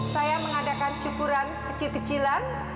saya mengadakan syukuran kecil kecilan